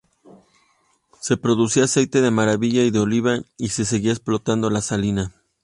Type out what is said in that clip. Se producía aceite de maravilla y de oliva y se seguía explotando la salina.